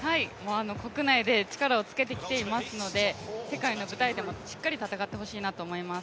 国内で力をつけてきていますので、世界の舞台でもしっかり戦ってほしいなと思います。